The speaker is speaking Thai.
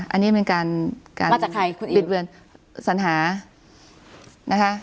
อันนี้เป็นการบิดเวินสันหานะคะ